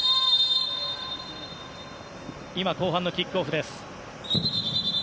後半のキックオフです。